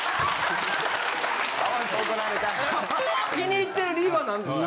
気に入ってる理由は何ですか。